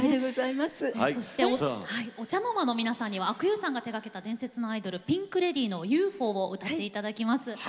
ＯＣＨＡＮＯＲＭＡの皆さんには阿久悠さんが手がけた伝説のアイドルピンクレディーの「ＵＦＯ」を歌っていただきます。